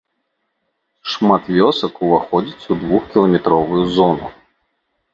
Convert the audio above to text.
Шмат вёсак уваходзіць у двухкіламетровую зону.